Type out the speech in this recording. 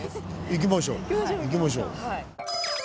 行きましょう行きましょう。